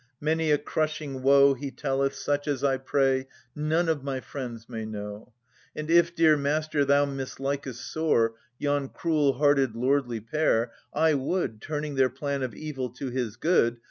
Many a crushing woe He telleth, such as I pray None of my friends may know. And if , dear master, thou mislikest sore Yon cruel hearted lordly pair, I would. Turning their plan of evil to his good.